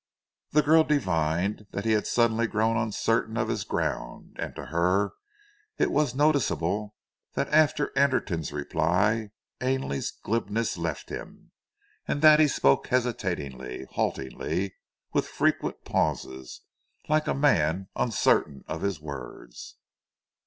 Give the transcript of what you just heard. The girl divined that he had suddenly grown uncertain of his ground, and to her it was noticeable that after Anderton's reply Ainley's glibness left him, and that he spoke hesitatingly, haltingly, with frequent pauses, like a man uncertain of his words.